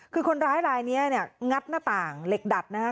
คือคนร้ายลายนี้เนี่ยงัดหน้าต่างเหล็กดัดนะฮะ